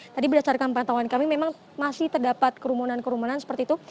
tapi berdasarkan pertanyaan kami memang masih terdapat kerumunan seperti itu